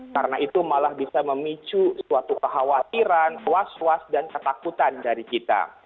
karena itu malah bisa memicu suatu kekhawatiran was was dan ketakutan dari kita